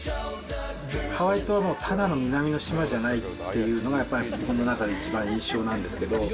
ハワイ島はただの南の島じゃないよっていうのが僕の中で一番印象なんですけど。